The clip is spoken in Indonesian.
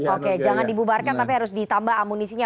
oke jangan dibubarkan tapi harus ditambah amunisinya